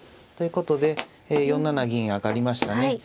ということで４七銀上がりましたね。